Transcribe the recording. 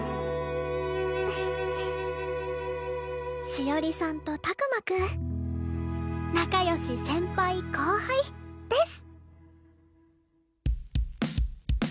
しおりさんとたくまくん仲良し先輩後輩です！